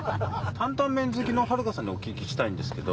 「担々麺」好きの春花さんにお聞きしたいんですけど。